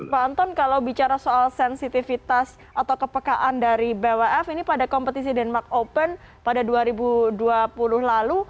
pak anton kalau bicara soal sensitivitas atau kepekaan dari bwf ini pada kompetisi denmark open pada dua ribu dua puluh lalu